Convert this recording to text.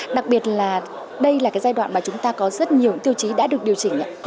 đặc biệt là đây là giai đoạn mà chúng ta có rất nhiều tiêu chí đã được điều chỉnh